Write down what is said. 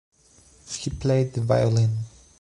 He played the violin.